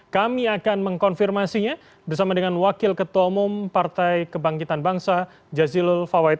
kami akan mengkonfirmasinya bersama dengan wakil ketua umum partai kebangkitan bangsa jazilul fawait